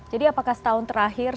jadi apakah setahun terakhir